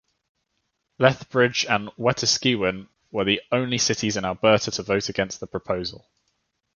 Lethbridge and Wetaskiwin were the only cities in Alberta to vote against the proposal.